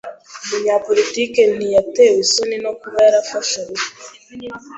Umunyapolitike ntiyatewe isoni no kuba yarafashe ruswa.